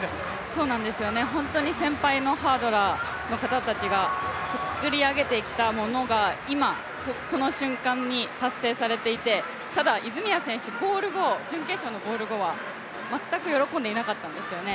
そうなんですよね、本当に先輩のハードラーの人たちが今、この瞬間に達成されていて、ただ、泉谷選手準決勝のコール後は全く喜んでなかったんですよね。